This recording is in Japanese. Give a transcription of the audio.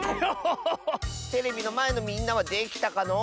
テレビのまえのみんなはできたかのう？